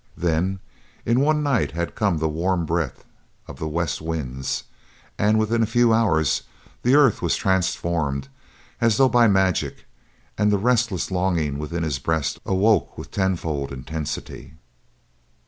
Then, in one night had come the warm breath of the west winds, and within a few hours the earth was transformed as though by magic, and the restless longing within his breast awoke with tenfold intensity.